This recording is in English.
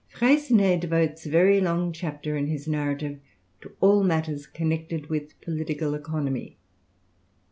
Freycinet devotes a very long chapter in his narrative to all matters connected with political economy.